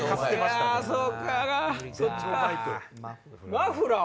マフラー